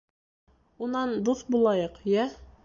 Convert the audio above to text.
Унан дуҫ булайыҡ, йә?!